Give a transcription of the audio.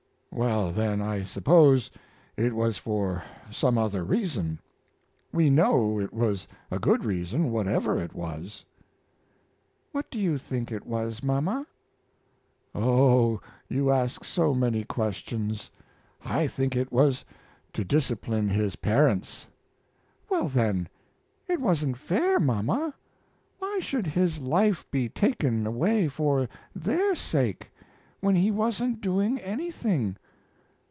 "Well, then, I suppose it was for some other reason. We know it was a good reason, whatever it was." "What do you think it was, mama?" "Oh, you ask so many questions! I think it was to discipline his parents." "Well, then, it wasn't fair, mama. Why should his life be taken away for their sake, when he wasn't doing anything?"